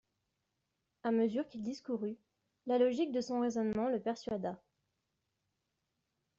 A mesure qu'il discourut, la logique de son raisonnement le persuada.